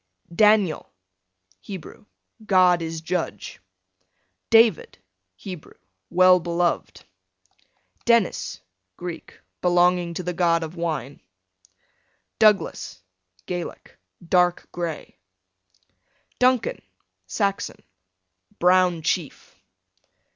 D Daniel, Hebrew, God is judge. David, Hebrew, well beloved. Denis, Greek, belonging to the god of wine. Douglas, Gaelic, dark gray. Duncan, Saxon, brown chief.